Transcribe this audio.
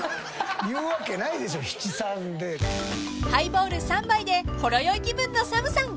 ［ハイボール３杯でほろ酔い気分のＳＡＭさん］